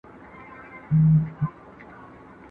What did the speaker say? ځان ژوندی، جهان ژوندی؛ چي ځان مړ سو، جهان مړ سو.